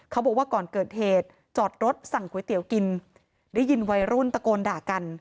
บอกว่าก่อนเกิดเหตุจอดรถสั่งก๋วยเตี๋ยวกินได้ยินวัยรุ่นตะโกนด่ากัน